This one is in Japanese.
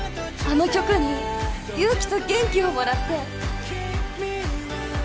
あの曲に勇気と元気をもらってきみは